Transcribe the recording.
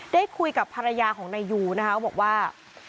ได้คุยกับภรรยาของนายยูนะคะบอกว่า